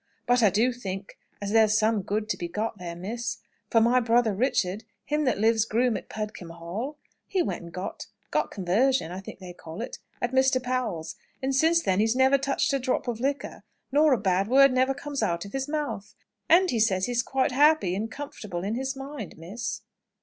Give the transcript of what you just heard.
But I do think as there's some good to be got there, miss. For my brother Richard, him that lives groom at Pudcombe Hall he went and got got 'conversion,' I think they call it, at Mr. Powell's. And since then he's never touched a drop of liquor, nor a bad word never comes out of his mouth. And he says he's quite happy and comfortable in his mind, miss."